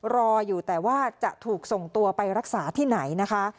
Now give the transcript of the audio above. รออยู่แต่ว่าจะถูกส่งตัวไปรักษาที่ไหนนะคะ